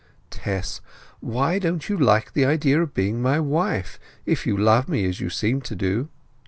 Tess, why don't you like the idea of being my wife, if you love me as you seem to do?"